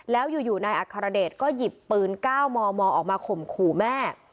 แล้วอยู่นายอัครเดชก็หยิบปืน๙มมออกมาข่มขู่แม่